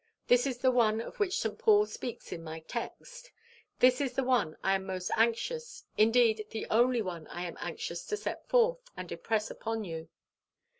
This is the one of which St. Paul speaks in my text. This is the one I am most anxious indeed, the only one I am anxious to set forth, and impress upon you.